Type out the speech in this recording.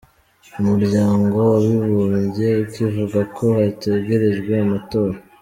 Umuryango w’abibumbye ukivuga ko hategerejwe amatora.